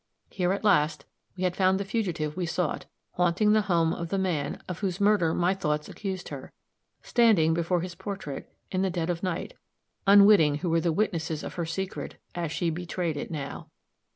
Here, at last, we had found the fugitive we sought, haunting the home of the man of whose murder my thoughts accused her, standing before his portrait, in the dead of night, unwitting who were the witnesses of her secret, as she betrayed it now.